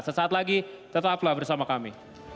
sesaat lagi tetaplah bersama kami